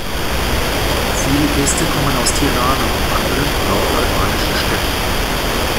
Viele Gäste kommen aus Tirana und anderen nordalbanischen Städten.